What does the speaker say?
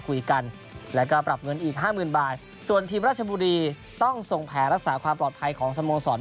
คุยกันแล้วก็ปรับเงินอีกห้าหมื่นบาทส่วนทีมราชบุรีต้องส่งแผลรักษาความปลอดภัยของสโมสร